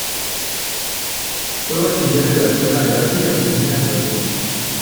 Fue bachiller de la Escuela de Arte y Artesanías de Oslo.